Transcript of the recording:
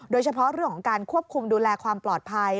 โดยเฉพาะเรื่องของการควบคุมดูแลความปลอดภัย